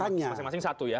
masing masing satu ya